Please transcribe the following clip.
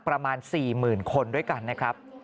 ประมาณ๔๐๐๐คนด้วยกันนะครับ